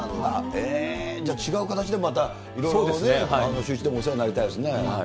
へー、じゃあ違う形で、いろいろね、シューイチでもお世話になりたいですね。